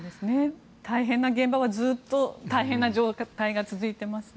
大変な現場はずっと大変な状態が続いていますね。